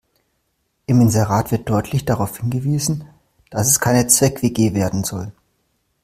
Im Inserat wird deutlich darauf hingewiesen, dass es keine Zweck-WG werden soll.